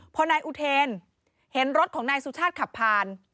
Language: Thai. พอนายอุเทนเห็นรถของนายสุชาติขับผ่าน